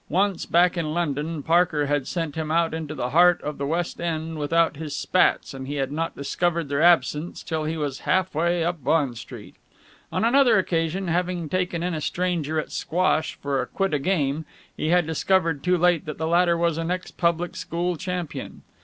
Once, back in London, Parker had sent him out into the heart of the West End without his spats and he had not discovered their absence till he was half way up Bond Street. On another occasion, having taken on a stranger at squash for a quid a game, he had discovered too late that the latter was an ex public school champion.